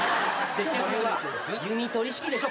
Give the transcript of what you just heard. これは弓取り式でしょ。